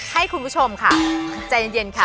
ให้คุณผู้ชมค่ะใจเย็นค่ะ